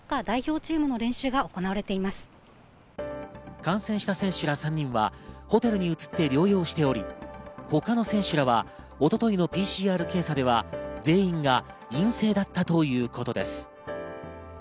感染した選手ら３人はホテルに移って療養しており、他の選手は一昨日のＰＣＲ検査では全員が陰性だったということです。